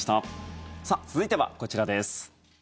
続いてはこちらです。